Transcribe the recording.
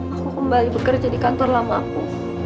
aku kembali bekerja di kantor lama aku